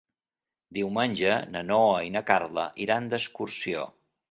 Diumenge na Noa i na Carla iran d'excursió.